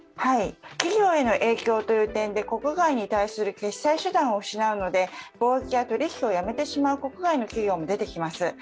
企業への影響という点で、国外に対する決済手段を失うので貿易や取引をやめてしまう国外の企業も出てきます。